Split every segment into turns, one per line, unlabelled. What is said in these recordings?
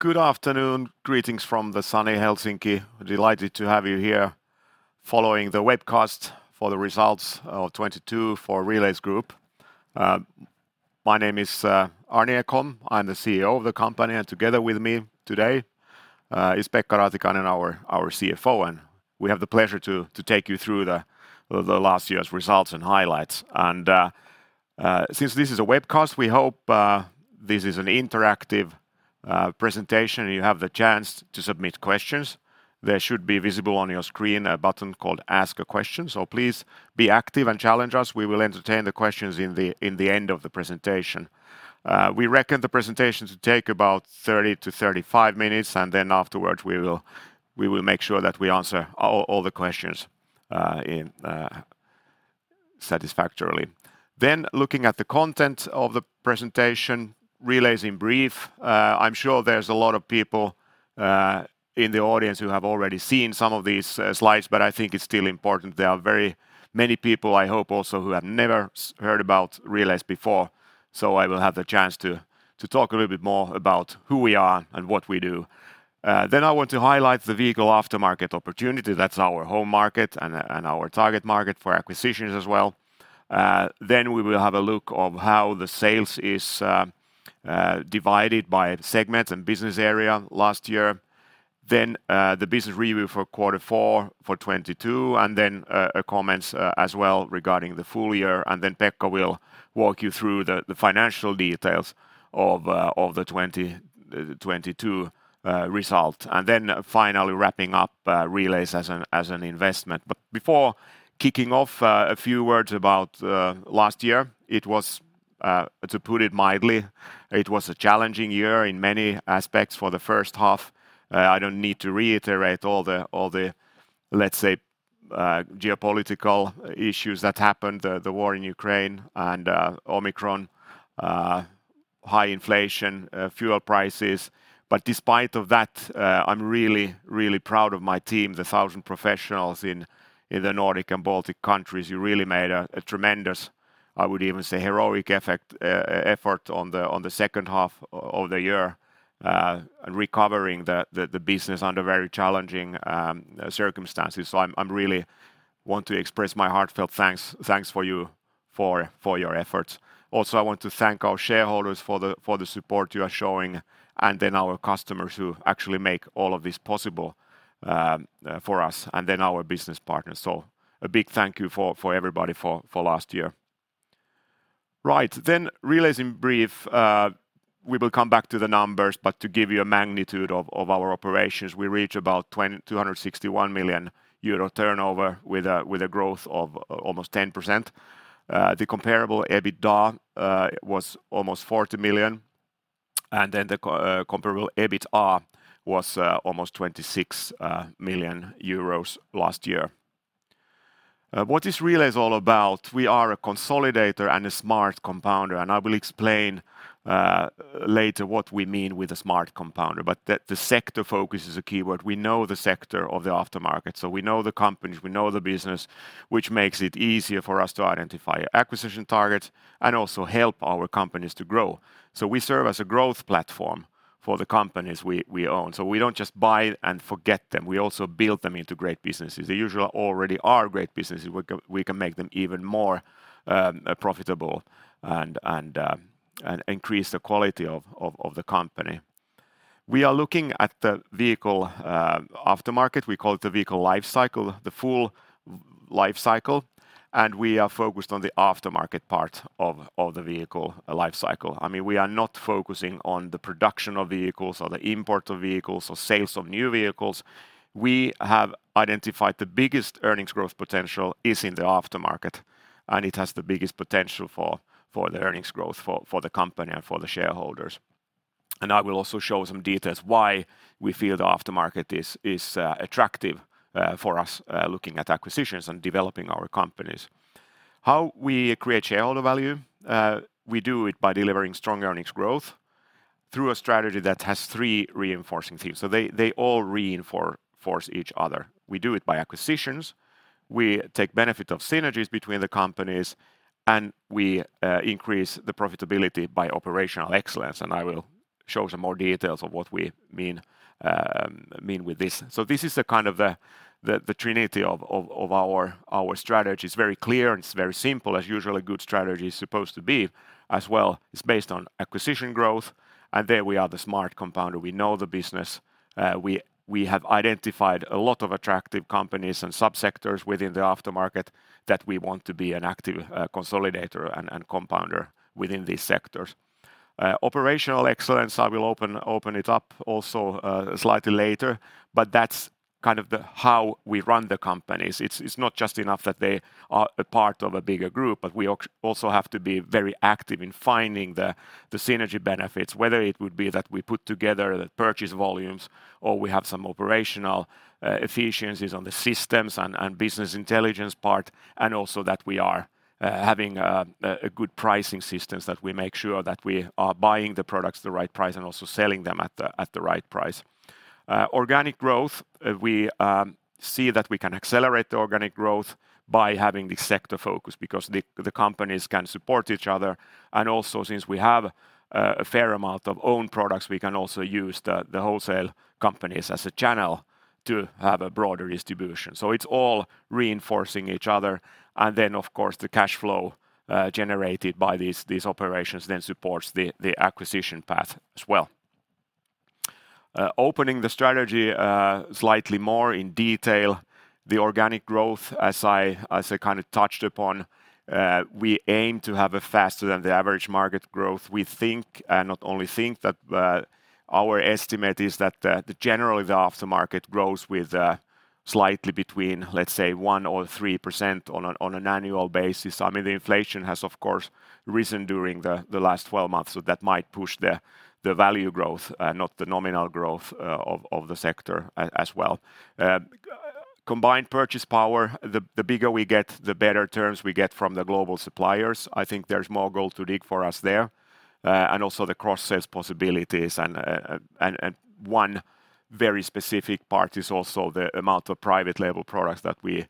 Good afternoon. Greetings from the Sunny Helsinki. Delighted to have you here following the webcast for the results of 2022 for Relais Group. My name is Arni Ekholm. I'm the CEO of the company. Together with me today is Pekka Raatikainen, our CFO, and we have the pleasure to take you through the last year's results and highlights. Since this is a webcast, we hope this is an interactive presentation. You have the chance to submit questions. There should be visible on your screen a button called Ask a Question. Please be active and challenge us. We will entertain the questions in the end of the presentation. We reckon the presentation to take about 30-35 minutes, and then afterwards we will make sure that we answer all the questions in satisfactorily. Looking at the content of the presentation, Relais in brief. I'm sure there's a lot of people in the audience who have already seen some of these slides, but I think it's still important. There are very many people, I hope also, who have never heard about Relais before, so I will have the chance to talk a little bit more about who we are and what we do. I want to highlight the vehicle aftermarket opportunity. That's our home market and our target market for acquisitions as well. We will have a look of how the sales is divided by segment and business area last year. The business review for Q4 for 2022, comments as well regarding the full year. Pekka will walk you through the financial details of the 2022 result. Finally wrapping up Relais as an investment. Before kicking off, a few words about last year. It was, to put it mildly, it was a challenging year in many aspects for the first half. I don't need to reiterate all the, let's say, geopolitical issues that happened, the war in Ukraine and Omicron, high inflation, fuel prices. Despite of that, I'm really, really proud of my team, the 1,000 professionals in the Nordic and Baltic countries. You really made a tremendous, I would even say, heroic effort on the second half of the year, recovering the business under very challenging circumstances. I'm really want to express my heartfelt thanks for you for your efforts. Also, I want to thank our shareholders for the support you are showing and our customers who actually make all of this possible for us, and our business partners. A big thank you for everybody for last year. Right. Relais in brief. We will come back to the numbers, but to give you a magnitude of our operations, we reach about 261 million euro turnover with a growth of almost 10%. The comparable EBITDA was almost 40 million, the comparable EBITA was almost 26 million euros last year. What is Relais all about? We are a consolidator and a smart compounder, I will explain later what we mean with a smart compounder. The sector focus is a keyword. We know the sector of the aftermarket, we know the companies, we know the business, which makes it easier for us to identify acquisition targets and also help our companies to grow. We serve as a growth platform for the companies we own. We don't just buy and forget them. We also build them into great businesses. They usually already are great businesses. We can make them even more profitable and increase the quality of the company. We are looking at the vehicle aftermarket. We call it the vehicle life cycle, the full life cycle. We are focused on the aftermarket part of the vehicle life cycle. I mean, we are not focusing on the production of vehicles or the import of vehicles or sales of new vehicles. We have identified the biggest earnings growth potential is in the aftermarket. It has the biggest potential for the earnings growth for the company and for the shareholders. I will also show some details why we feel the aftermarket is attractive for us looking at acquisitions and developing our companies. How we create shareholder value, we do it by delivering strong earnings growth through a strategy that has three reinforcing themes. They all reinforce each other. We do it by acquisitions. We take benefit of synergies between the companies, and we increase the profitability by operational excellence, and I will show some more details of what we mean with this. This is a kind of the trinity of our strategy. It's very clear and it's very simple, as usually good strategy is supposed to be. It's based on acquisition growth, and there we are the smart compounder. We know the business. We have identified a lot of attractive companies and sub-sectors within the aftermarket that we want to be an active consolidator and compounder within these sectors. Operational excellence, I will open it up also slightly later, but that's kind of the how we run the companies. It's not just enough that they are a part of a bigger group, but we also have to be very active in finding the synergy benefits, whether it would be that we put together the purchase volumes or we have some operational efficiencies on the systems and business intelligence part, and also that we are having a good pricing systems, that we make sure that we are buying the products the right price and also selling them at the right price. Organic growth, we see that we can accelerate the organic growth by having the sector focus because the companies can support each other. Also since we have a fair amount of own products, we can also use the wholesale companies as a channel to have a broader distribution. It's all reinforcing each other. Then of course, the cash flow generated by these operations then supports the acquisition path as well. Opening the strategy slightly more in detail, the organic growth, as I kind of touched upon, we aim to have a faster than the average market growth. We think, and not only think that, our estimate is that generally the aftermarket grows with slightly between, let's say, 1%-3% on an annual basis. I mean, the inflation has of course risen during the last 12 months, so that might push the value growth, not the nominal growth, of the sector as well. Combined purchase power, the bigger we get, the better terms we get from the global suppliers. I think there's more gold to dig for us there. And also the cross-sales possibilities and one very specific part is also the amount of private label products that we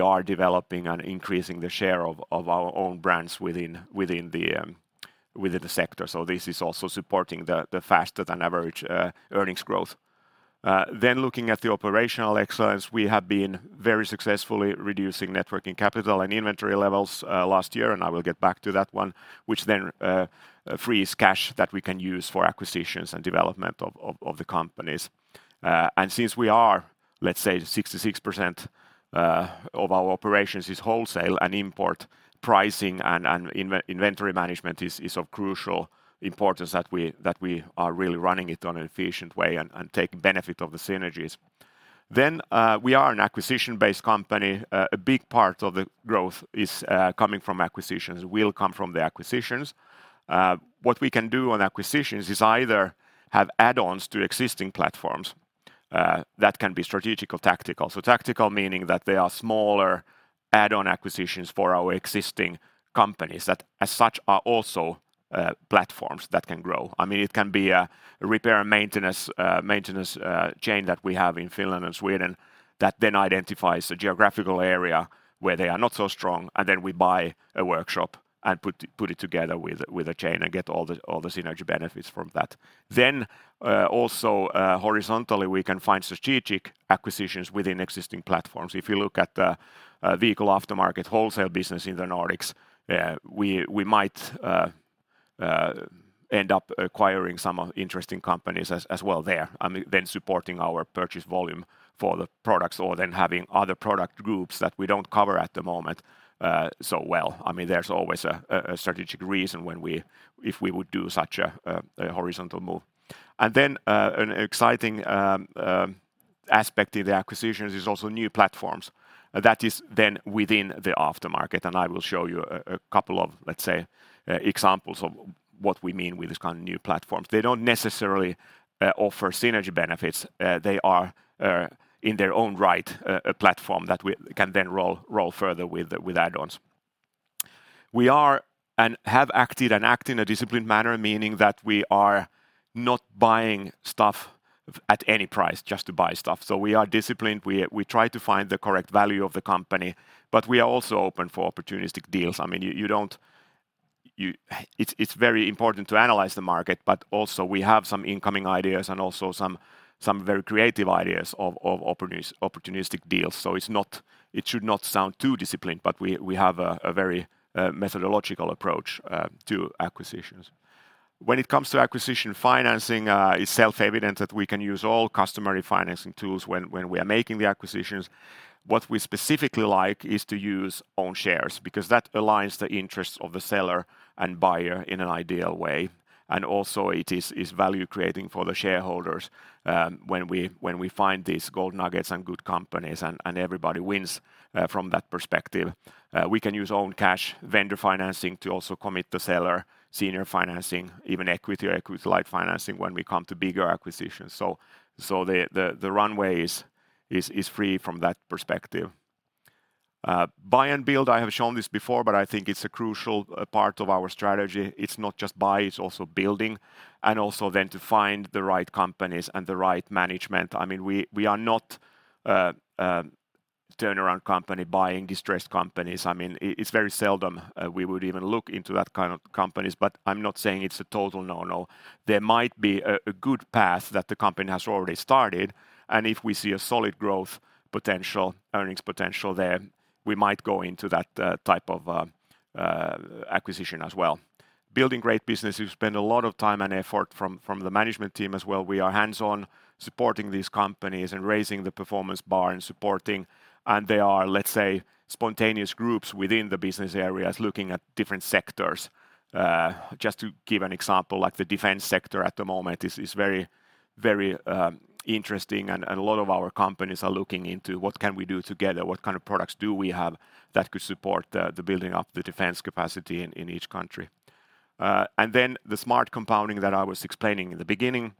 are developing and increasing the share of our own brands within the sector. This is also supporting the faster than average earnings growth. Looking at the operational excellence, we have been very successfully reducing net working capital and inventory levels last year, and I will get back to that one, which then frees cash that we can use for acquisitions and development of the companies. Since we are, let's say 66% of our operations is wholesale and import, pricing and inventory management is of crucial importance that we are really running it on an efficient way and take benefit of the synergies. We are an acquisition-based company. A big part of the growth is coming from acquisitions, will come from the acquisitions. What we can do on acquisitions is either have add-ons to existing platforms that can be strategical, tactical. Tactical meaning that they are smaller add-on acquisitions for our existing companies that as such are also platforms that can grow. I mean, it can be a repair and maintenance chain that we have in Finland and Sweden that then identifies a geographical area where they are not so strong, and then we buy a workshop and put it together with a chain and get all the synergy benefits from that. Also horizontally, we can find strategic acquisitions within existing platforms. If you look at the vehicle aftermarket wholesale business in the Nordics, we might end up acquiring some interesting companies as well there, then supporting our purchase volume for the products or then having other product groups that we don't cover at the moment so well. I mean, there's always a strategic reason if we would do such a horizontal move. An exciting aspect in the acquisitions is also new platforms. That is then within the aftermarket, and I will show you a couple of, let's say, examples of what we mean with these kind of new platforms. They don't necessarily offer synergy benefits. They are in their own right, a platform that we can then roll further with add-ons. We are and have acted and act in a disciplined manner, meaning that we are not buying stuff at any price just to buy stuff. We are disciplined. We try to find the correct value of the company, we are also open for opportunistic deals. I mean, you don't... It's very important to analyze the market, but also we have some incoming ideas and also some very creative ideas of opportunistic deals. It should not sound too disciplined, but we have a very methodological approach to acquisitions. When it comes to acquisition financing, it's self-evident that we can use all customary financing tools when we are making the acquisitions. What we specifically like is to use own shares because that aligns the interests of the seller and buyer in an ideal way. Also it is value creating for the shareholders when we find these gold nuggets and good companies and everybody wins from that perspective. We can use own cash vendor financing to also commit the seller senior financing, even equity or equity light financing when we come to bigger acquisitions. The runway is free from that perspective. Buy and build, I have shown this before, but I think it's a crucial part of our strategy. It's not just buy, it's also building and also then to find the right companies and the right management. I mean, we are not turnaround company buying distressed companies. I mean, it's very seldom we would even look into that kind of companies, but I'm not saying it's a total no. There might be a good path that the company has already started, and if we see a solid growth potential, earnings potential there, we might go into that type of acquisition as well. Building great business, we spend a lot of time and effort from the management team as well. We are hands-on supporting these companies and raising the performance bar and supporting. There are, let's say, spontaneous groups within the business areas looking at different sectors. Just to give an example, like the defense sector at the moment is very interesting and a lot of our companies are looking into what can we do together, what kind of products do we have that could support the building up the defense capacity in each country. Then the smart compounding that I was explaining in the beginning,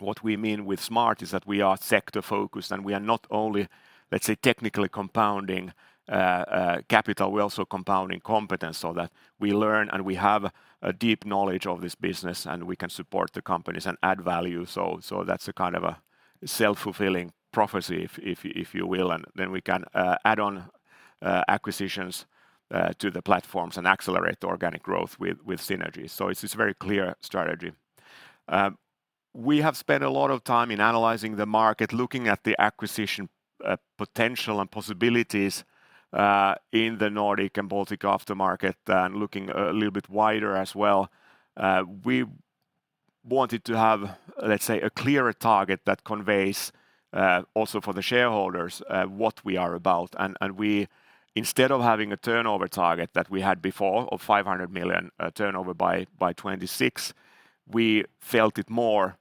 what we mean with smart is that we are sector-focused, and we are not only, let's say, technically compounding capital, we're also compounding competence so that we learn, and we have a deep knowledge of this business, and we can support the companies and add value. So that's a kind of a self-fulfilling prophecy, if you will. Then we can add on acquisitions to the platforms and accelerate organic growth with synergies. It's very clear strategy. We have spent a lot of time in analyzing the market, looking at the acquisition potential and possibilities in the Nordic and Baltic aftermarket, and looking a little bit wider as well. We wanted to have, let's say, a clearer target that conveys, also for the shareholders, what we are about. We instead of having a turnover target that we had before of 500 million turnover by 2026, we felt it more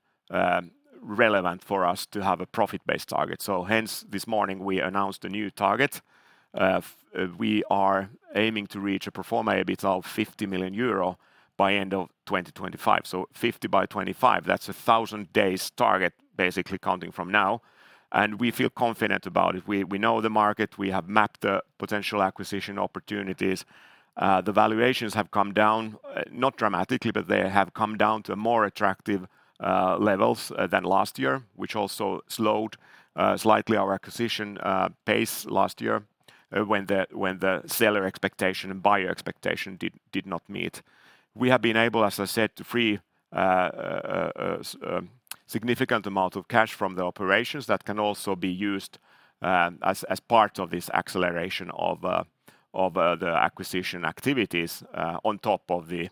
relevant for us to have a profit-based target. Hence, this morning we announced a new target. We are aiming to reach a pro forma EBIT of 50 million euro by end of 2025. 50 million by 2025. That's a 1,000 days target, basically counting from now, and we feel confident about it. We know the market. We have mapped the potential acquisition opportunities. The valuations have come down, not dramatically, but they have come down to more attractive levels than last year, which also slowed slightly our acquisition pace last year, when the seller expectation and buyer expectation did not meet. We have been able, as I said, to free a significant amount of cash from the operations that can also be used as part of this acceleration of the acquisition activities on top of the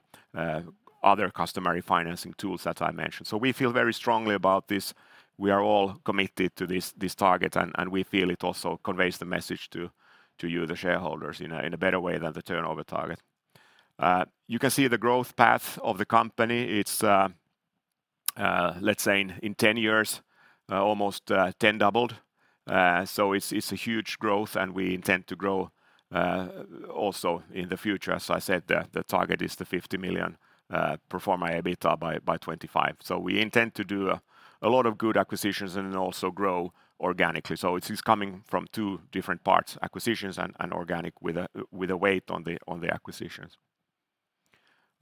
other customary financing tools that I mentioned. We feel very strongly about this. We are all committed to this target, and we feel it also conveys the message to you, the shareholders, you know, in a better way than the turnover target. You can see the growth path of the company. It's, let's say in 10 years, almost 10 doubled. It's a huge growth, and we intend to grow also in the future. As I said, the target is the 50 million pro forma EBITA by 2025. We intend to do a lot of good acquisitions and then also grow organically. It's coming from two different parts, acquisitions and organic with a weight on the acquisitions.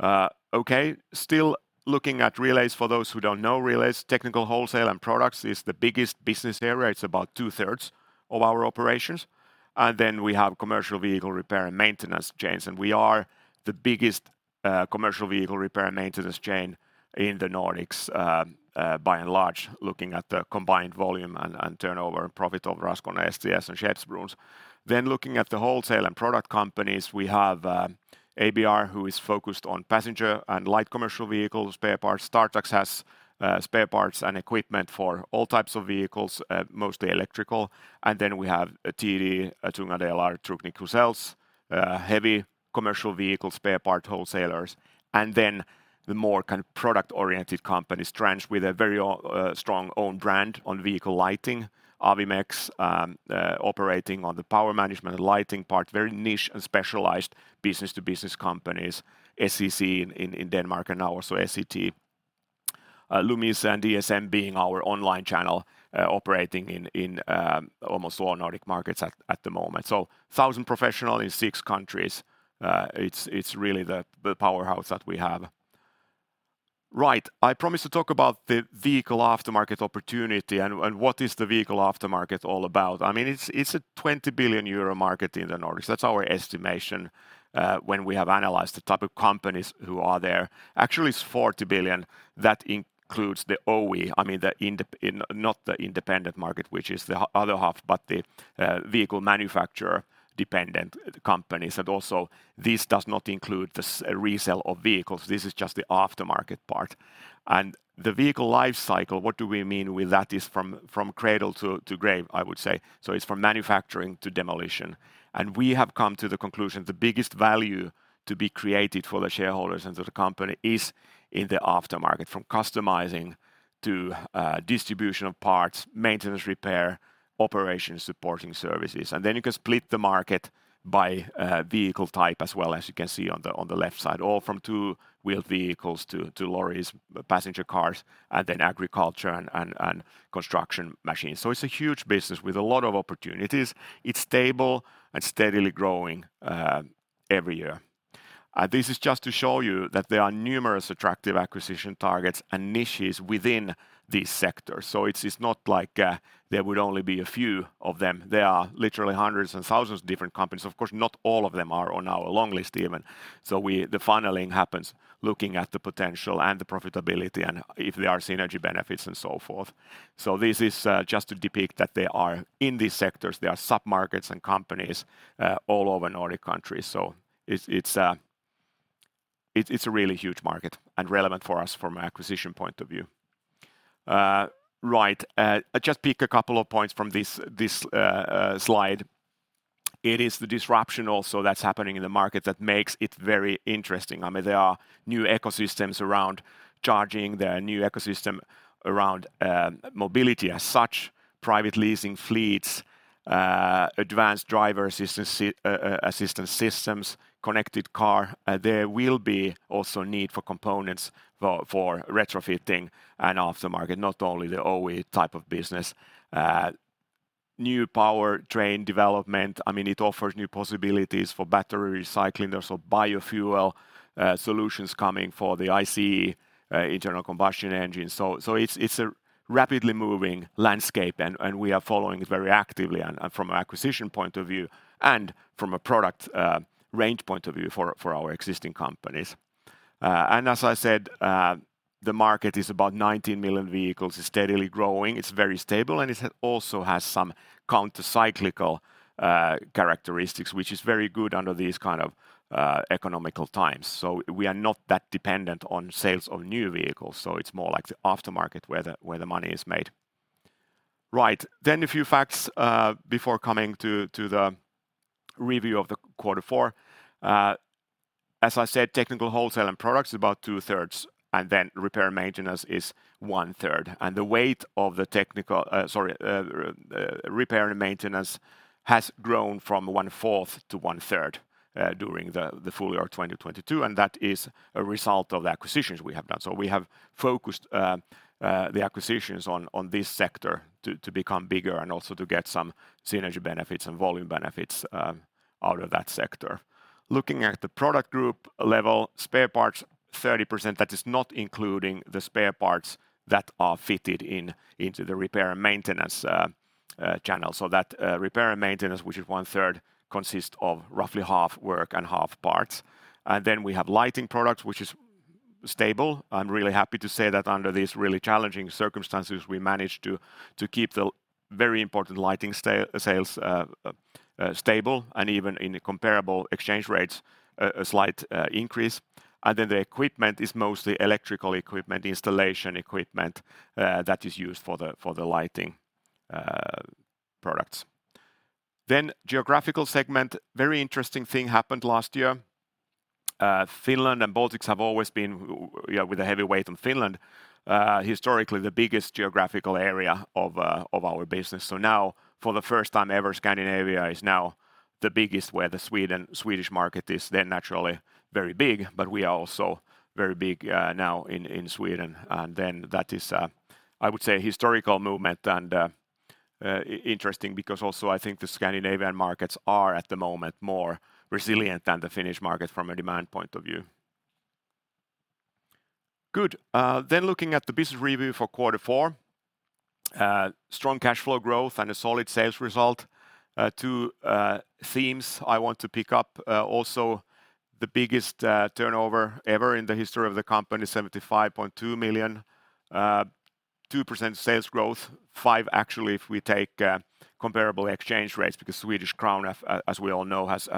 Okay. Still looking at Relais. For those who don't know Relais, technical wholesale and products is the biggest business area. It's about two-third of our operations. And then we have commercial vehicle repair and maintenance chains. We are the biggest commercial vehicle repair and maintenance chain in the Nordics, by and large, looking at the combined volume and turnover and profit of Raskone, STS, and Skeppsbrons. Looking at the wholesale and product companies, we have ABR, who is focused on passenger and light commercial vehicles, spare parts. StarTax has spare parts and equipment for all types of vehicles, mostly electrical. We have TD, Tunga Delar, Trucknik Reservdelar, heavy commercial vehicle spare part wholesalers. The more kind of product-oriented companies, Strands, with a very strong own brand on vehicle lighting. Awimex, operating on the power management and lighting part, very niche and specialized business-to-business companies. SEC in Denmark and now also S-E-T A/S. Lumise and ESM being our online channel, operating in almost all Nordic markets at the moment. 1,000 professional in six countries. It's really the powerhouse that we have. Right. I promised to talk about the vehicle aftermarket opportunity and what is the vehicle aftermarket all about. I mean, it's a 20 billion euro market in the Nordics. That's our estimation, when we have analyzed the type of companies who are there. Actually, it's 40 billion that includes the OE, I mean not the independent market, which is the other half, but the vehicle manufacturer-dependent companies. This does not include the resale of vehicles. This is just the aftermarket part. The vehicle life cycle, what do we mean with that, is from cradle to grave, I would say. It's from manufacturing to demolition. We have come to the conclusion the biggest value to be created for the shareholders and to the company is in the aftermarket, from customizing to distribution of parts, maintenance, repair, operations, supporting services. You can split the market by vehicle type as well as you can see on the left side, all from two-wheeled vehicles to lorries, passenger cars, and then agriculture and construction machines. It's a huge business with a lot of opportunities. It's stable and steadily growing every year. This is just to show you that there are numerous attractive acquisition targets and niches within these sectors. It's not like there would only be a few of them. There are literally hundreds and thousands of different companies. Of course, not all of them are on our long list even. The funneling happens looking at the potential and the profitability and if there are synergy benefits and so forth. This is just to depict that there are, in these sectors, there are sub-markets and companies all over Nordic countries. It's a really huge market and relevant for us from an acquisition point of view. Right. I just pick a couple of points from this slide. It is the disruption also that's happening in the market that makes it very interesting. I mean, there are new ecosystems around charging. There are new ecosystem around mobility as such, private leasing fleets, advanced driver assistance systems, connected car. There will be also need for components for retrofitting and aftermarket, not only the OE type of business. New powertrain development, I mean, it offers new possibilities for battery recycling. There's also biofuel solutions coming for the ICE (internal combustion engine). It's a rapidly moving landscape, and we are following it very actively and from an acquisition point of view and from a product range point of view for our existing companies. As I said, the market is about 19 million vehicles, it's steadily growing, it's very stable, and it also has some counter-cyclical characteristics, which is very good under these kind of economical times. We are not that dependent on sales of new vehicles, so it's more like the aftermarket where the money is made. Right. A few facts before coming to the review of the Q4. As I said, technical wholesale and products is about two-third, and then repair and maintenance is one-third. The weight of the technical. Sorry. The repair and maintenance has grown from one-fourth to one-third during the full-year of 2022, and that is a result of the acquisitions we have done. We have focused the acquisitions on this sector to become bigger and also to get some synergy benefits and volume benefits out of that sector. Looking at the product group level, spare parts 30%, that is not including the spare parts that are fitted into the repair and maintenance channel. That repair and maintenance, which is one-third, consists of roughly half work and half parts. We have lighting products, which is stable. I'm really happy to say that under these really challenging circumstances, we managed to keep the very important lighting sales stable and even in comparable exchange rates a slight increase. The equipment is mostly electrical equipment, installation equipment that is used for the lighting products. Geographical segment, very interesting thing happened last year. Finland and Baltics have always been with a heavy weight on Finland, historically the biggest geographical area of our business. Now, for the first time ever, Scandinavia is now the biggest where the Swedish market is naturally very big, but we are also very big now in Sweden. That is, I would say a historical movement and interesting because also I think the Scandinavian markets are at the moment more resilient than the Finnish market from a demand point of view. Good. Looking at the business review for quarter four, strong cash flow growth and a solid sales result. Two themes I want to pick up. Also the biggest turnover ever in the history of the company, 75.2 million, 2% sales growth. 5% actually if we take comparable exchange rates because Swedish Krona, as we all know, has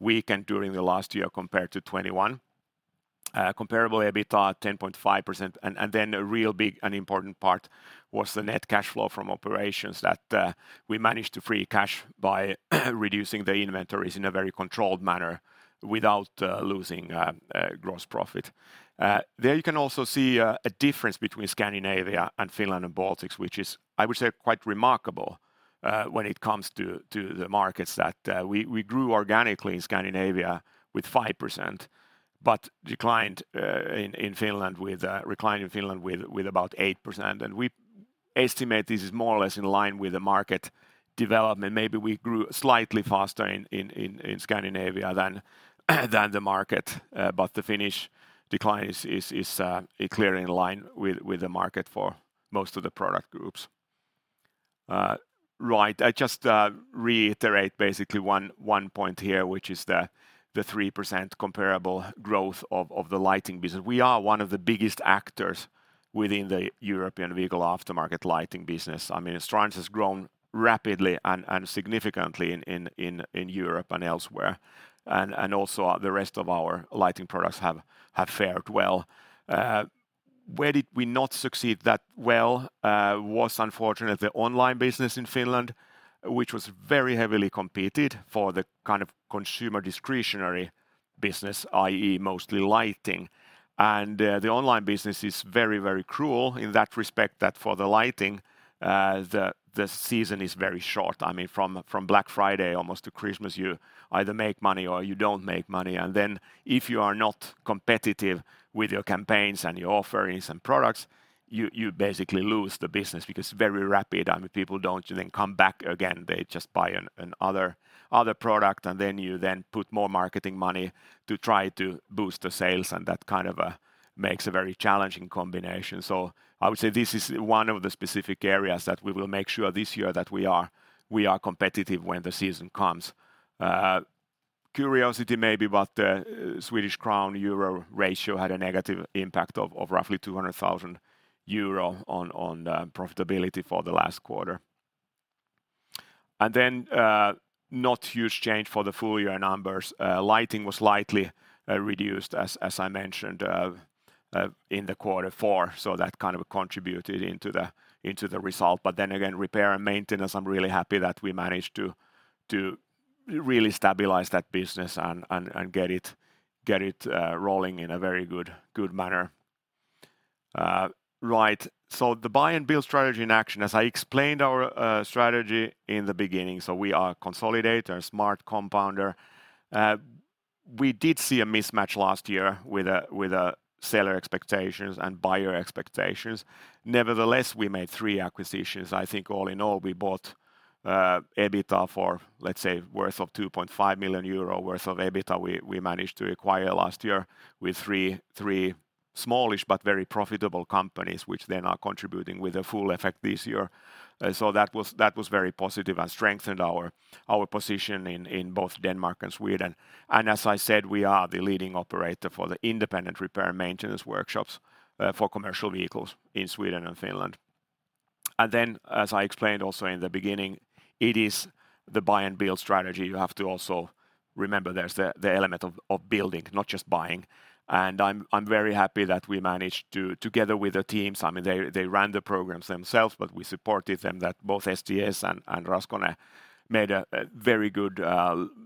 weakened during the last year compared to 2021. Comparable EBITA 10.5%. Then a real big and important part was the net cash flow from operations that we managed to free cash by reducing the inventories in a very controlled manner without losing gross profit. There you can also see a difference between Scandinavia and Finland and Baltics, which is, I would say, quite remarkable when it comes to the markets that we grew organically in Scandinavia with 5%, but declined in Finland with about 8%. We estimate this is more or less in line with the market development. Maybe we grew slightly faster in Scandinavia than the market. The Finnish decline is clearly in line with the market for most of the product groups. Right. I just reiterate basically one point here, which is the 3% comparable growth of the lighting business. We are one of the biggest actors within the European vehicle aftermarket lighting business. I mean, Strands has grown rapidly and significantly in Europe and elsewhere. Also the rest of our lighting products have fared well. Where did we not succeed that well, was unfortunately the online business in Finland, which was very heavily competed for the kind of consumer discretionary business, i.e. mostly lighting. The online business is very, very cruel in that respect that for the lighting, the season is very short. I mean, from Black Friday almost to Christmas, you either make money or you don't make money. If you are not competitive with your campaigns and your offerings and products, you basically lose the business because very rapid, I mean, people don't then come back again. They just buy an other product, and then you then put more marketing money to try to boost the sales, and that kind of makes a very challenging combination. I would say this is one of the specific areas that we will make sure this year that we are competitive when the season comes. Curiosity maybe about the Swedish Krona-Euro ratio had a negative impact of roughly 200,000 euro on profitability for the last quarter. Not huge change for the full year numbers. Lighting was slightly reduced as I mentioned in the Q4, so that kind of contributed into the result. Repair and maintenance, I'm really happy that we managed to really stabilize that business and get it rolling in a very good manner. Right. The buy-and-build strategy in action. As I explained our strategy in the beginning, so we are a consolidator, smart compounder. We did see a mismatch last year with a seller expectations and buyer expectations. Nevertheless, we made three acquisitions. I think all in all, we bought EBITA for, let's say, worth of 2.5 million euro worth of EBITA we managed to acquire last year with three smallish but very profitable companies which then are contributing with a full effect this year. That was very positive and strengthened our position in both Denmark and Sweden. As I said, we are the leading operator for the independent repair and maintenance workshops for commercial vehicles in Sweden and Finland. As I explained also in the beginning, it is the buy-and-build strategy. You have to also remember there's the element of building, not just buying. I'm very happy that we managed to, together with the teams, I mean, they ran the programs themselves, but we supported them that both STS and Raskone made a very good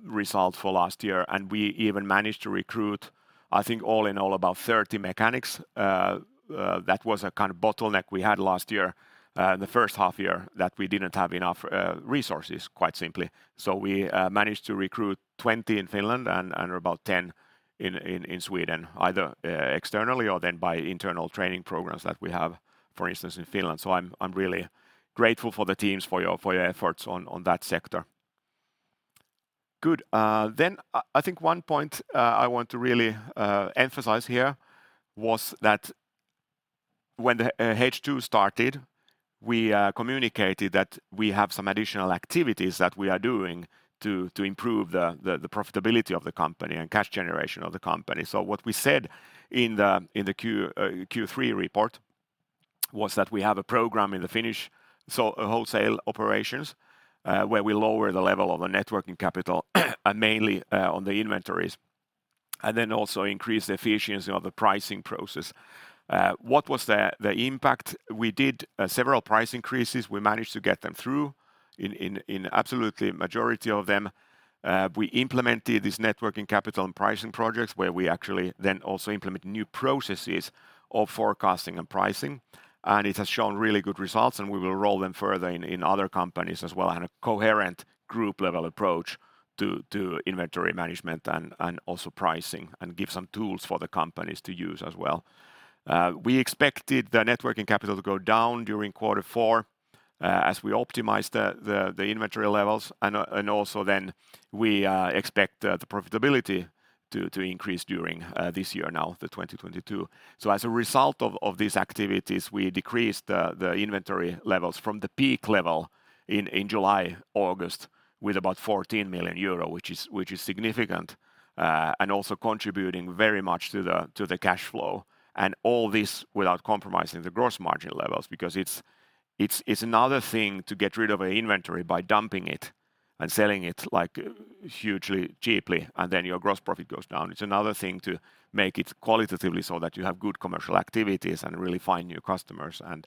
result for last year. We even managed to recruit, I think all in all, about 30 mechanics. That was a kind of bottleneck we had last year, the first half year that we didn't have enough resources, quite simply. We managed to recruit 20 in Finland and about 10 in Sweden, either externally or by internal training programs that we have, for instance, in Finland. I'm really grateful for the teams for your efforts on that sector. Good. I think one point I want to really emphasize here was that when the H2 started, we communicated that we have some additional activities that we are doing to improve the profitability of the company and cash generation of the company. What we said in the Q3 report was that we have a program in the Finnish wholesale operations where we lower the level of the net working capital and mainly on the inventories and then also increase the efficiency of the pricing process. What was the impact? We did several price increases. We managed to get them through in absolutely majority of them. We implemented these net working capital and pricing projects where we actually then also implement new processes of forecasting and pricing, and it has shown really good results, and we will roll them further in other companies as well in a coherent group-level approach to inventory management and also pricing and give some tools for the companies to use as well. We expected the net working capital to go down during Q4, as we optimize the inventory levels and also then we expect the profitability to increase during this year now, the 2022. As a result of these activities, we decreased the inventory levels from the peak level in July, August with about 14 million euro, which is significant and also contributing very much to the cash flow and all this without compromising the gross margin levels because it's another thing to get rid of an inventory by dumping it and selling it, like, hugely cheaply, and then your gross profit goes down. It's another thing to make it qualitatively so that you have good commercial activities and really find new customers and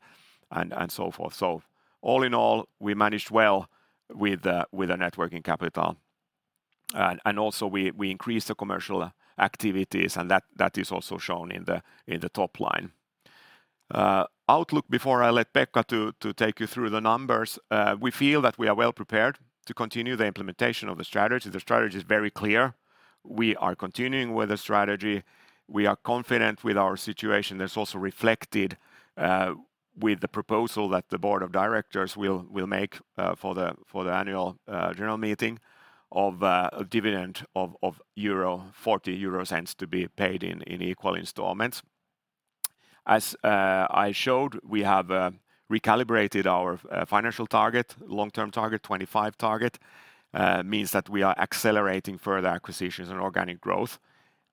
so forth. All in all, we managed well with the net working capital. Also we increased the commercial activities, and that is also shown in the top line. Outlook before I let Pekka to take you through the numbers, we feel that we are well prepared to continue the implementation of the strategy. The strategy is very clear. We are continuing with the strategy. We are confident with our situation. That's also reflected with the proposal that the Board of Directors will make for the Annual General Meeting of a dividend of 0.40 to be paid in equal installments. As I showed, we have recalibrated our financial target, long-term target, 2025 target means that we are accelerating further acquisitions and organic growth,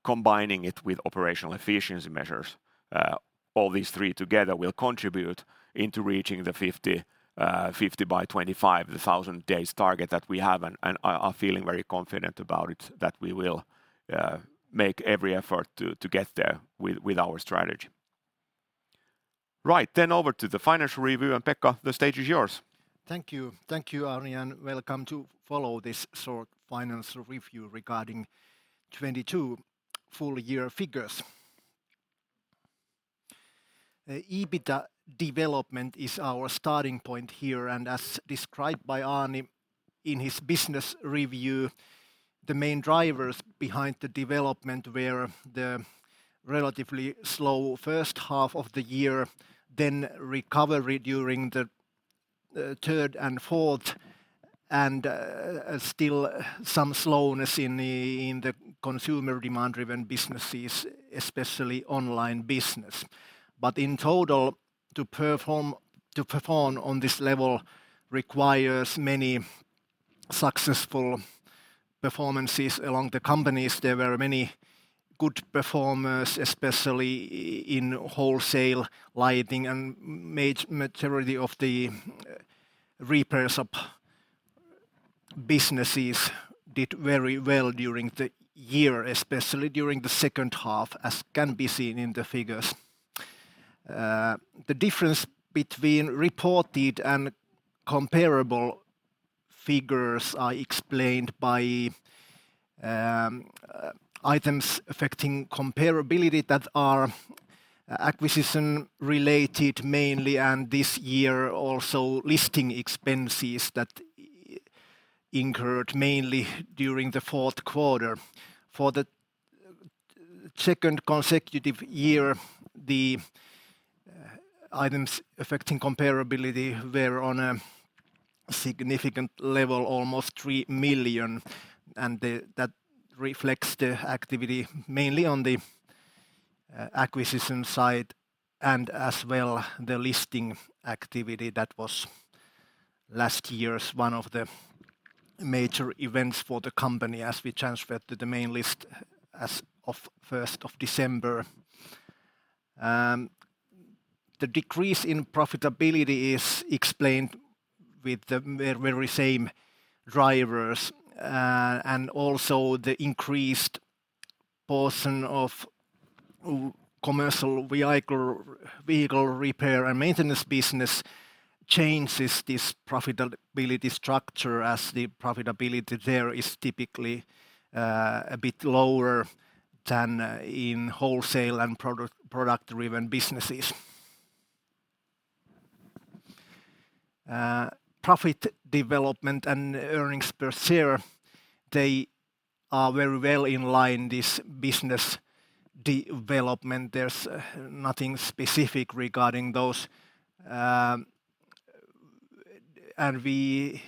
combining it with operational efficiency measures. All these three together will contribute into reaching the 50 million by 2025, the 1,000 days target that we have, and I am feeling very confident about it that we will make every effort to get there with our strategy. Right over to the financial review, Pekka, the stage is yours.
Thank you. Thank you, Arni. Welcome to follow this short financial review regarding 2022 full year figures. EBITA development is our starting point here. As described by Arni in his business review, the main drivers behind the development were the relatively slow first half of the year, then recovery during the third and fourth quarters, and still some slowness in the consumer demand-driven businesses, especially online business. In total, to perform on this level requires many successful performances along the companies. There were many good performers, especially in wholesale lighting and majority of the repairs of businesses did very well during the year, especially during the second half, as can be seen in the figures. The difference between reported and comparable figures are explained by items affecting comparability that are acquisition-related mainly and this year also listing expenses that incurred mainly during the fourth quarter. For the second consecutive year, Items affecting comparability were on a significant level almost 3 million, that reflects the activity mainly on the acquisition side and as well the listing activity that was last year's one of the major events for the company as we transferred to the Main Market as of December 1st. The decrease in profitability is explained with the very same drivers and also the increased portion of commercial vehicle repair and maintenance business changes this profitability structure as the profitability there is typically a bit lower than in wholesale and product-driven businesses. Profit development and earnings per share, they are very well in line this business development. There's nothing specific regarding those, we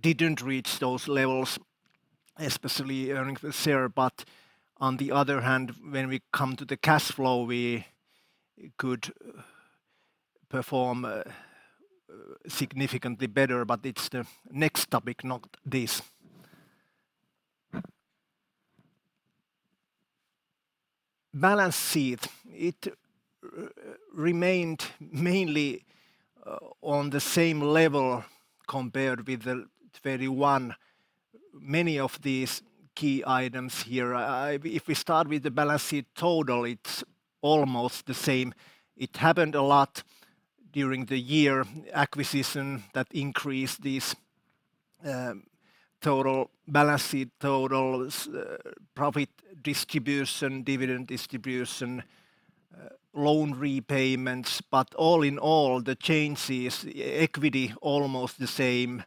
didn't reach those levels, especially earnings per share. On the other hand, when we come to the cash flow, we could perform significantly better, but it's the next topic, not this. Balance sheet, it remained mainly on the same level compared with the 2021. Many of these key items here, if we start with the balance sheet total, it's almost the same. It happened a lot during the year, acquisition that increased this, total balance sheet totals, profit distribution, dividend distribution, loan repayments. All in all, the changes, equity almost the same,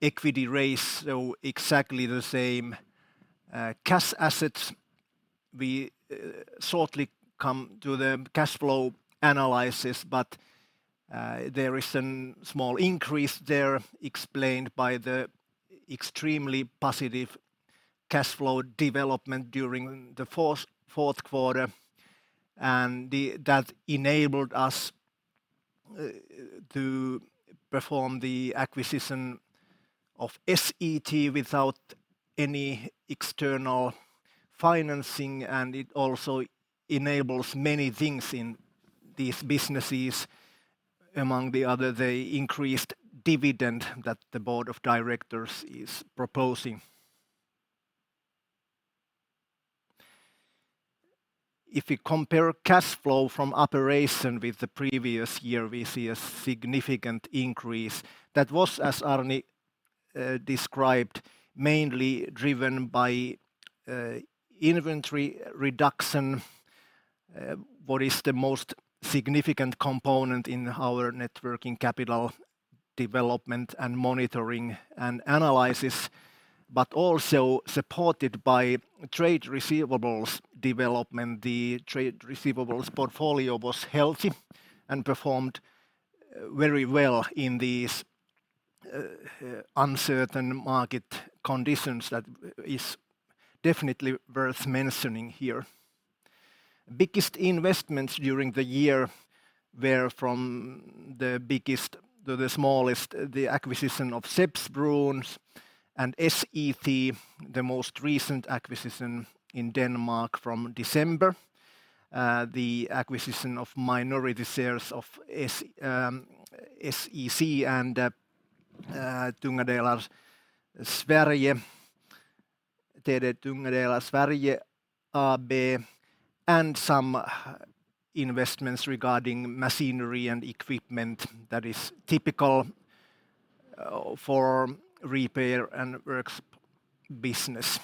equity raise, exactly the same. Cash assets, we shortly come to the cash flow analysis, but there is an small increase there explained by the extremely positive cash flow development during the fourth quarter. That enabled us to perform the acquisition of S-E-T A/S without any external financing. It also enables many things in these businesses. Among the other, the increased dividend that the Board of Directors is proposing. If we compare cash flow from operation with the previous year, we see a significant increase. That was, as Arni described, mainly driven by inventory reduction, what is the most significant component in our net working capital development and monitoring and analysis, but also supported by trade receivables development. The trade receivables portfolio was healthy and performed very well in these uncertain market conditions that is definitely worth mentioning here. Biggest investments during the year were from the biggest to the smallest, the acquisition of Skeppsbrons and S-E-T A/S, the most recent acquisition in Denmark from December, the acquisition of minority shares of SEC and TD Tunga Delar Sverige AB, and some investments regarding machinery and equipment that is typical for repair and works business.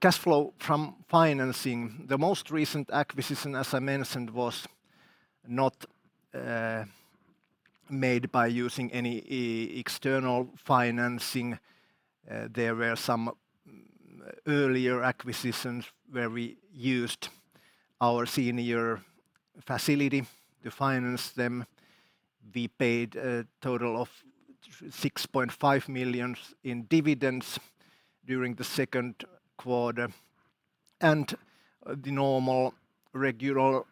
Cash flow from financing. The most recent acquisition, as I mentioned, was not made by using any external financing. There were some earlier acquisitions where we used our senior facility to finance them. We paid a total of 6.5 million in dividends during the second quarter and the normal regular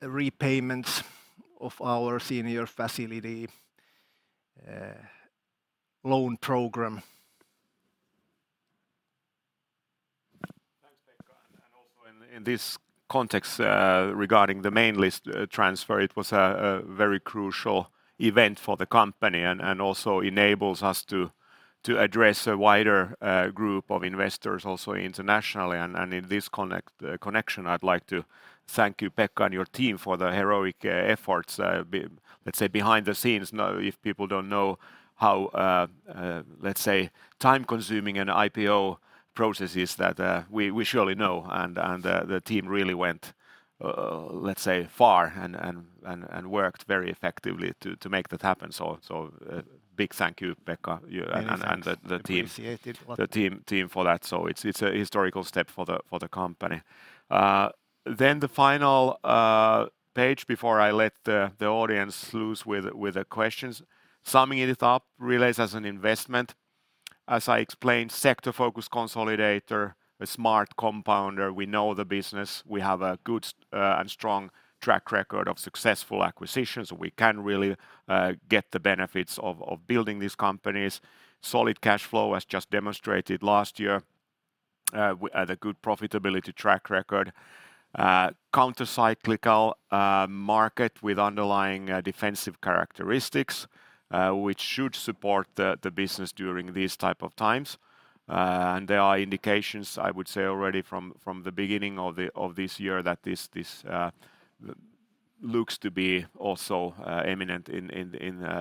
repayments of our senior facility loan program.
Thanks, Pekka. Also in this context, regarding the Main Market transfer, it was a very crucial event for the company and also enables us to address a wider group of investors also internationally. In this connection, I'd like to thank you, Pekka, and your team for the heroic efforts, let's say, behind the scenes. Now, if people don't know how, let's say, time-consuming an IPO process is that, we surely know. The team really went, let's say, far and worked very effectively to make that happen. So a big thank you, Pekka, you and the team.
Yeah, thanks. Appreciated a lot.
the team for that. It's a historical step for the company. The final page before I let the audience loose with the questions, summing it up, Relais as an investment. As I explained, sector-focused consolidator, a smart compounder. We know the business. We have a good and strong track record of successful acquisitions. We can really get the benefits of building these companies. Solid cashflow, as just demonstrated last year, with the good profitability track record. Counter-cyclical market with underlying defensive characteristics, which should support the business during these type of times. There are indications, I would say, already from the beginning of this year that this looks to be also eminent in...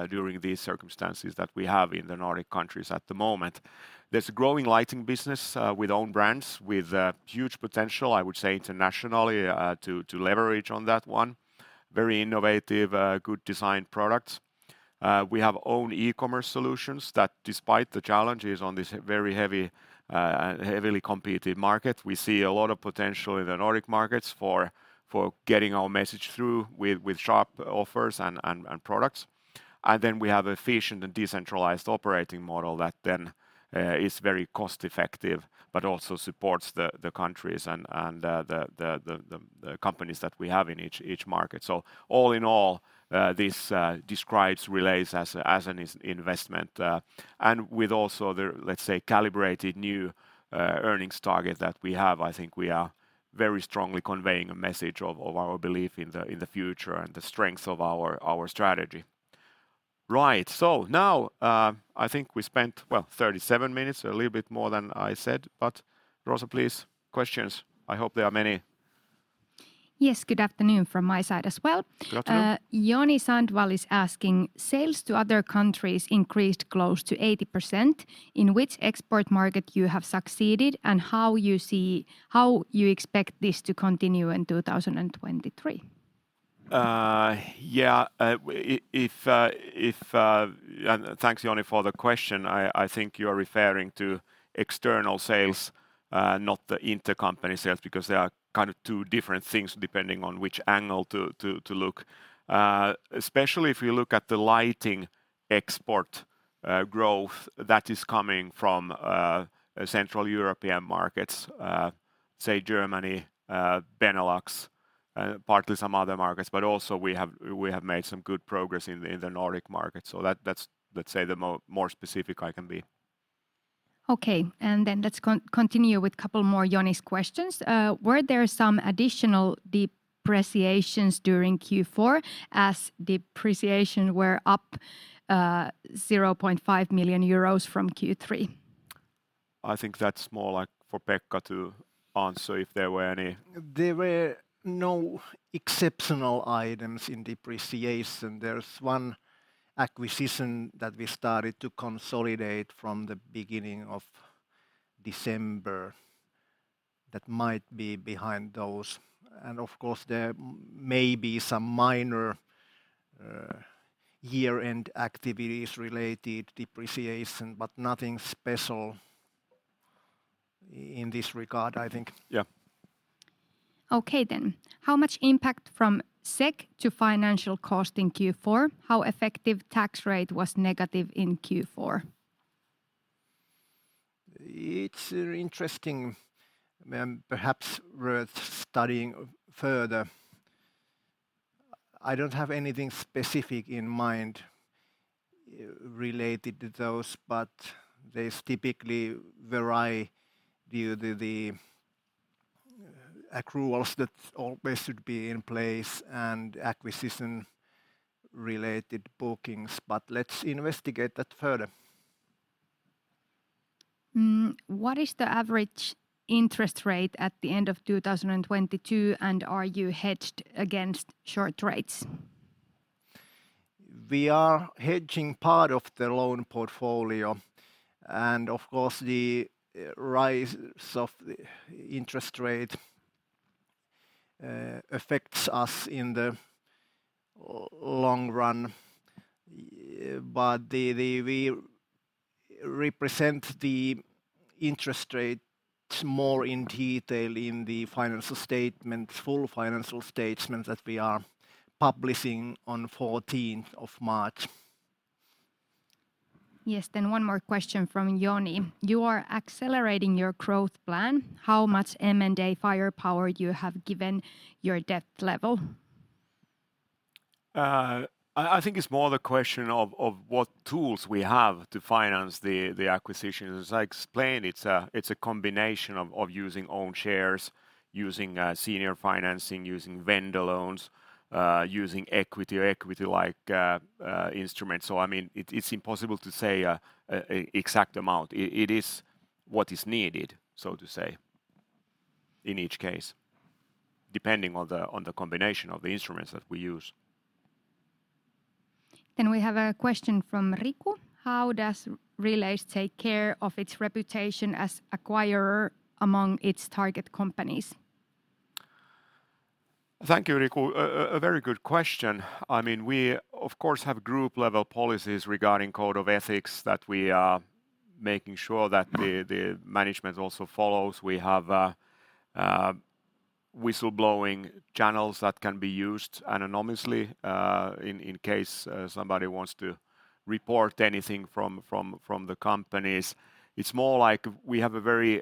During these circumstances that we have in the Nordic countries at the moment. There's growing lighting business with own brands, with a huge potential, I would say, internationally, to leverage on that one. Very innovative, good design products. We have own e-commerce solutions that despite the challenges on this very heavily competed market, we see a lot of potential in the Nordic markets for getting our message through with sharp offers and products. Then we have efficient and decentralized operating model that is very cost effective, but also supports the countries and the companies that we have in each market. All in all, this describes Relais as an investment, and with also their, let's say, calibrated new earnings target that we have, I think we are very strongly conveying a message of our belief in the, in the future and the strengths of our strategy. Right. Now, I think we spent, well, 37 minutes, a little bit more than I said, Rosa, please, questions. I hope there are many.
Yes. Good afternoon from my side as well.
Good afternoon.
Joni Sandvall is asking, "Sales to other countries increased close to 80%. In which export market you have succeeded, and how you expect this to continue in 2023?
Yeah. Thanks, Joni, for the question. I think you are referring to external sales, not the intercompany sales, because they are kind of two different things depending on which angle to look. Especially if you look at the lighting export growth, that is coming from Central European markets, say Germany, Benelux, partly some other markets, but also we have made some good progress in the Nordic market. That's, let's say, the more specific I can be.
Okay. Let's continue with couple more Joni's questions. Were there some additional depreciations during Q4, as depreciation were up 0.5 million euros from Q3?
I think that's more, like, for Pekka to answer if there were any.
There were no exceptional items in depreciation. There's one acquisition that we started to consolidate from the beginning of December that might be behind those. Of course, there may be some minor year-end activities related depreciation, but nothing special in this regard, I think.
Yeah.
Okay. How much impact from SEC to financial cost in Q4? How effective tax rate was negative in Q4?
It's interesting, and perhaps worth studying further. I don't have anything specific in mind related to those, but there's typically variation due to the accruals that always should be in place and acquisition-related bookings, but let's investigate that further.
What is the average interest rate at the end of 2022, and are you hedged against short rates?
We are hedging part of the loan portfolio, and of course the rise of the interest rates affects us in the long run. We represent the interest rates more in detail in the financial statement, full financial statement that we are publishing on March 14th.
Yes. One more question from Joni. You are accelerating your growth plan. How much M&A firepower you have given your debt level?
I think it's more the question of what tools we have to finance the acquisitions. As I explained, it's a combination of using own shares, using senior financing, using vendor loans, using equity or equity-like instruments. I mean, it's impossible to say a exact amount. It is what is needed, so to say, in each case, depending on the combination of the instruments that we use.
We have a question from Riku. How does Relais Group take care of its reputation as acquirer among its target companies?
Thank you, Riku. A very good question. I mean, we of course have group-level policies regarding Code of Ethics that we are making sure that the management also follows. We have whistleblowing channels that can be used anonymously in case somebody wants to report anything from the companies. It's more like we have a very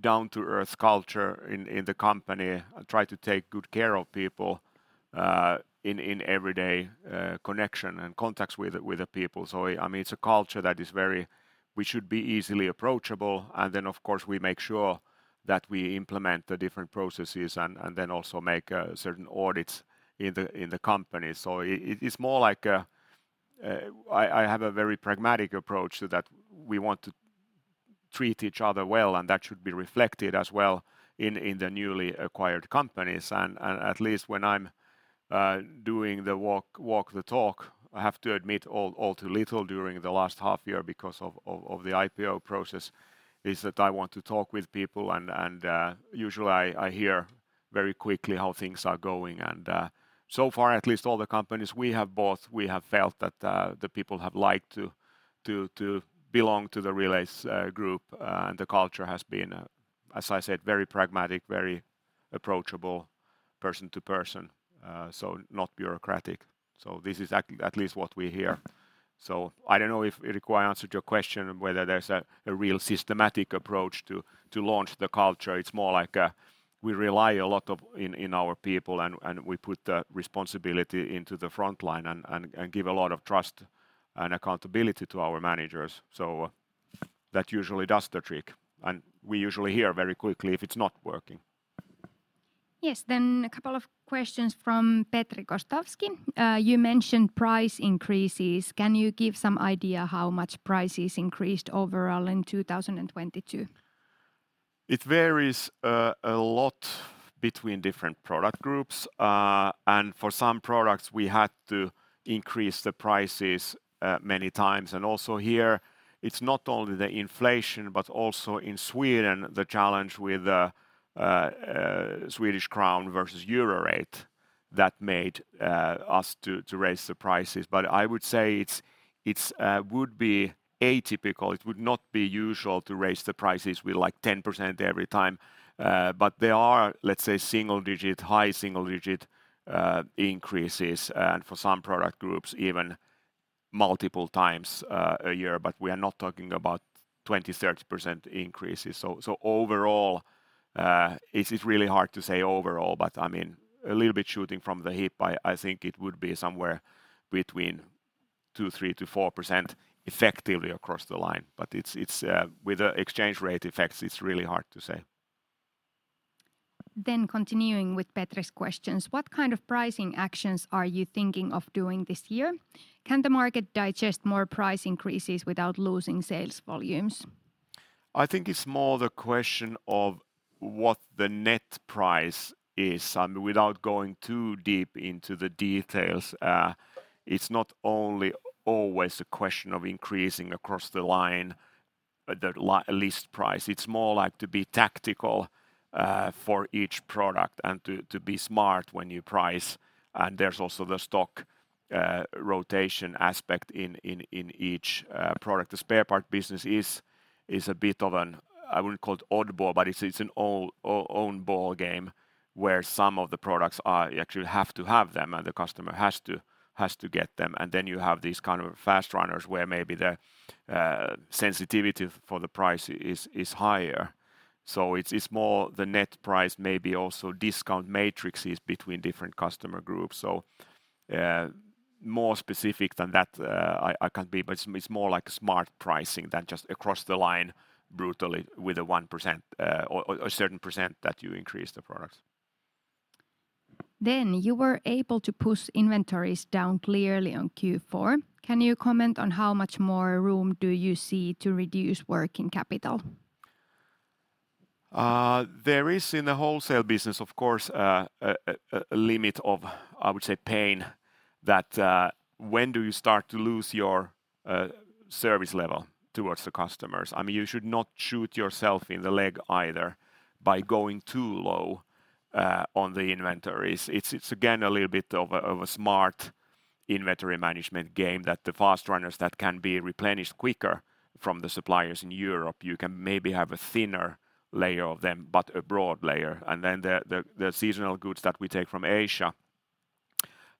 down-to-earth culture in the company and try to take good care of people in everyday connection and contacts with the people. I mean, it's a culture that is very. We should be easily approachable. Of course, we make sure that we implement the different processes and then also make certain audits in the company. It's more like I have a very pragmatic approach to that. We want to treat each other well, and that should be reflected as well in the newly acquired companies. At least when I'm doing the walk-the-talk, I have to admit all too little during the last half year because of the IPO process, is that I want to talk with people and usually I hear very quickly how things are going. So far at least all the companies we have bought, we have felt that the people have liked to belong to the Relais Group. The culture has been, as I said, very pragmatic, very approachable person-to-person. Not bureaucratic. This is at least what we hear. I don't know if it require answered your question whether there's a real systematic approach to launch the culture. It's more like, we rely a lot of in our people and we put the responsibility into the front line and give a lot of trust and accountability to our managers. That usually does the trick, and we usually hear very quickly if it's not working.
Yes. A couple of questions from Petri Gostowski. You mentioned price increases. Can you give some idea how much prices increased overall in 2022?
It varies, a lot between different product groups. For some products, we had to increase the prices many times. Also here it's not only the inflation, but also in Sweden, the challenge with the Swedish Krona versus Euro rate that made us to raise the prices. I would say it's would be atypical. It would not be usual to raise the prices with like 10% every time. There are, let's say, single-digit, high single-digit increases and for some product groups even multiple times a year. We are not talking about 20%-30% increases. Overall, it is really hard to say overall, but I mean, a little bit shooting from the hip, I think it would be somewhere between 2%-4% effectively across the line. It's with the exchange rate effects, it's really hard to say.
Continuing with Petri's questions. What kind of pricing actions are you thinking of doing this year? Can the market digest more price increases without losing sales volumes?
I think it's more the question of what the net price is. I mean, without going too deep into the details, it's not only always a question of increasing across the line the list price. It's more like to be tactical for each product and to be smart when you price. There's also the stock rotation aspect in each product. The spare part business is a bit of an... I wouldn't call it oddball, but it's an all, own ball game where some of the products are you actually have to have them and the customer has to get them. Then you have these kind of fast runners where maybe the sensitivity for the price is higher. It's more the net price, maybe also discount matrices between different customer groups. More specific than that, I can't be, but it's more like a smart pricing than just across the line brutally with a 1%, or a certain percent that you increase the products.
You were able to push inventories down clearly on Q4. Can you comment on how much more room do you see to reduce working capital?
There is in the wholesale business, of course, a limit of, I would say, pain that when do you start to lose your service level towards the customers? I mean, you should not shoot yourself in the leg either by going too low on the inventories. It's again a little bit of a smart inventory management game that the fast runners that can be replenished quicker from the suppliers in Europe. You can maybe have a thinner layer of them, but a broad layer. The seasonal goods that we take from Asia,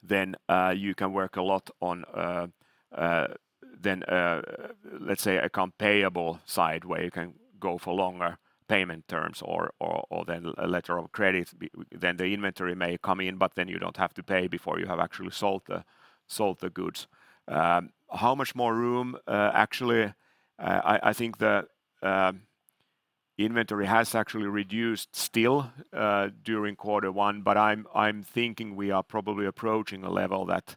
then, you can work a lot on then, let's say account payable side where you can go for longer payment terms or then a letter of credit. The inventory may come in, you don't have to pay before you have actually sold the goods. How much more room? Actually, I think the inventory has actually reduced still during Q1, I'm thinking we are probably approaching a level that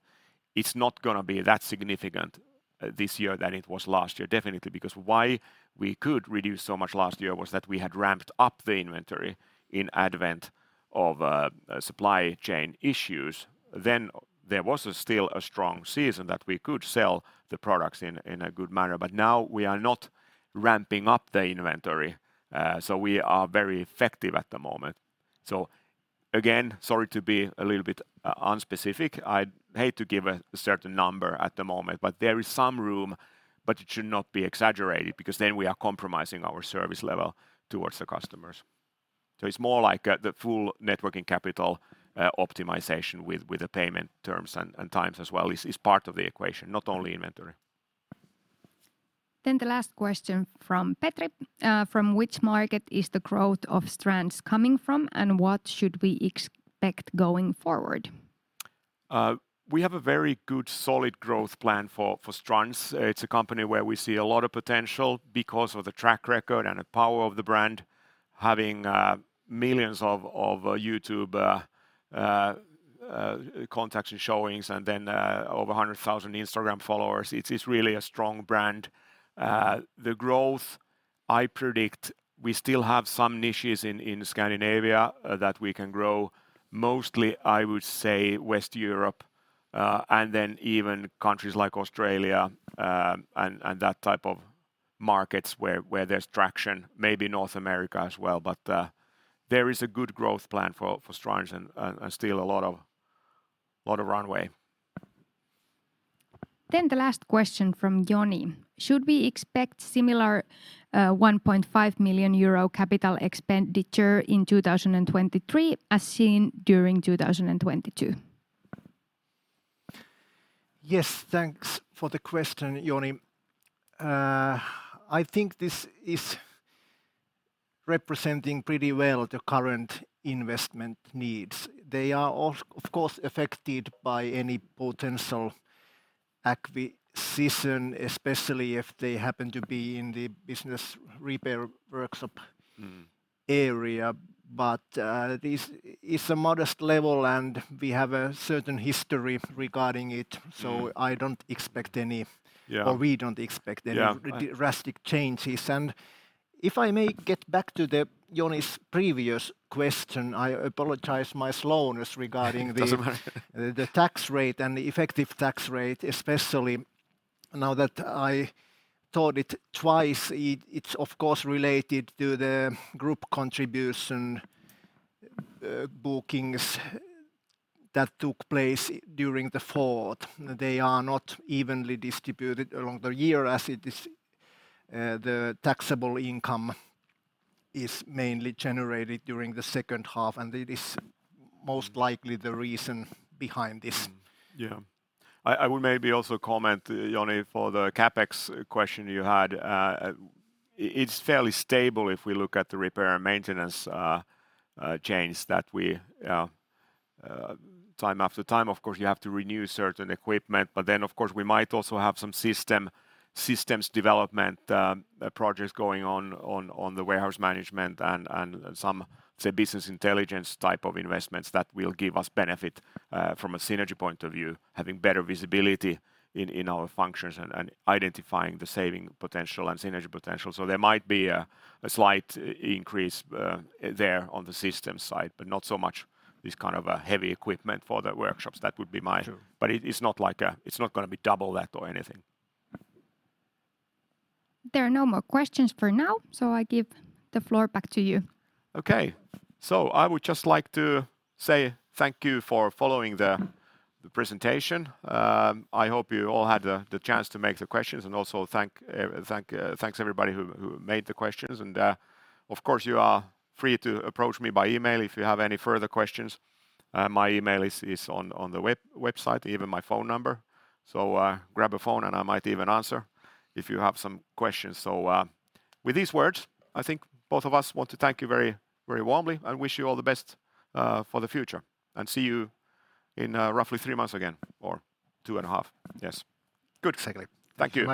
it's not gonna be that significant this year than it was last year, definitely. Why we could reduce so much last year was that we had ramped up the inventory in advance of supply chain issues. There was still a strong season that we could sell the products in a good manner. Now we are not ramping up the inventory. We are very effective at the moment. Again, sorry to be a little bit unspecific. I'd hate to give a certain number at the moment. There is some room, but it should not be exaggerated because then we are compromising our service level towards the customers. It's more like the full net working capital optimization with the payment terms and times as well is part of the equation, not only inventory.
The last question from Petri. From which market is the growth of Strands coming from, and what should we expect going forward?
We have a very good solid growth plan for Strands. It's a company where we see a lot of potential because of the track record and the power of the brand having millions of YouTube contacts and showings and then over 100,000 Instagram followers. It's really a strong brand. The growth I predict we still have some niches in Scandinavia that we can grow. Mostly, I would say West Europe, and then even countries like Australia, and that type of markets where there's traction. Maybe North America as well, there is a good growth plan for Strands and still a lot of runway.
The last question from Joni. Should we expect similar 1.5 million euro CapEx in 2023 as seen during 2022?
Yes. Thanks for the question, Joni. I think this is representing pretty well the current investment needs. They are of course, affected by any potential acquisition, especially if they happen to be in the business repair workshop-
Mm
area. This is a modest level, and we have a certain history regarding it.
Yeah
I don't expect.
Yeah...
or we don't expect.
Yeah...
drastic changes. If I may get back to Joni's previous question, I apologize my slowness regarding the-
Doesn't matter.
the tax rate and the effective tax rate, especially now that I thought it twice. It's of course related to the group contribution, bookings that took place during the fourth. They are not evenly distributed along the year as it is, the taxable income is mainly generated during the second half. It is most likely the reason behind this.
Yeah. I would maybe also comment, Joni, for the CapEx question you had. It's fairly stable if we look at the repair and maintenance chains that we time after time, of course, you have to renew certain equipment. Of course, we might also have some systems development projects going on on the warehouse management and some, say, business intelligence type of investments that will give us benefit from a synergy point of view, having better visibility in our functions and identifying the saving potential and synergy potential. There might be a slight increase there on the system side, but not so much this kind of a heavy equipment for the workshops. That would be my.
Sure
but it's not like it's not gonna be double that or anything.
There are no more questions for now, so I give the floor back to you.
I would just like to say thank you for following the presentation. I hope you all had the chance to make the questions, also thanks everybody who made the questions. Of course, you are free to approach me by email if you have any further questions. My email is on the website, even my phone number. Grab a phone, I might even answer if you have some questions. With these words, I think both of us want to thank you very warmly and wish you all the best for the future. See you in roughly three months again, or two and a half. Yes.
Good.
Exactly. Thank you.